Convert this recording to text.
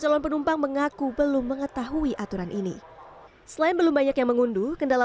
calon penumpang mengaku belum mengetahui aturan ini selain belum banyak yang mengunduh kendala